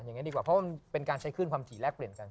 อย่างนี้ดีกว่าเพราะมันเป็นการใช้คลื่นความถี่แลกเปลี่ยนกัน